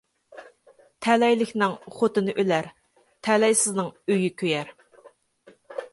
تەلەيلىكنىڭ خوتۇنى ئۆلەر، تەلەيسىزنىڭ ئۆيى كۆيەر.